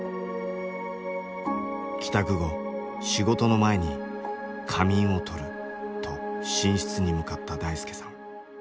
帰宅後仕事の前に「仮眠をとる」と寝室に向かった大輔さん。